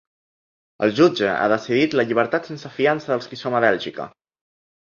El jutge ha decidit la llibertat sense fiança dels qui som a Bèlgica.